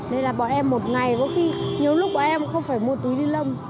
nên là bọn em một ngày có khi nhiều lúc bọn em không phải mua túi ni lông